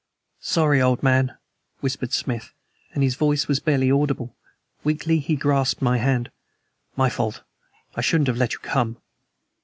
"Sorry, old man," whispered Smith, and his voice was barely audible. Weakly he grasped my hand. "My fault. I shouldn't have let you come."